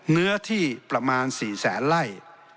เนื้อที่ประมาณ๔แสนไล่